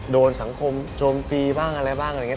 โดนสังคมโจมตีบ้างอะไรบ้างอะไรอย่างนี้